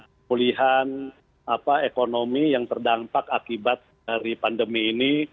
pemulihan ekonomi yang terdampak akibat dari pandemi ini